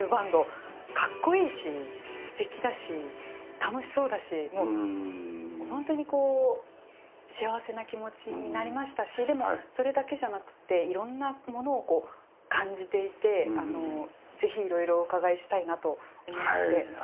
格好いいし、すてきだし楽しそうだし、本当にこう幸せな気持ちになりましたしでも、それだけじゃなくていろんなものをこう感じていてぜひいろいろお伺いしたいなと思って。